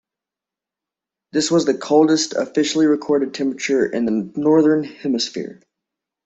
This was the coldest officially recorded temperature in the Northern Hemisphere.